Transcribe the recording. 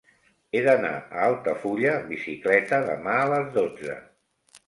He d'anar a Altafulla amb bicicleta demà a les dotze.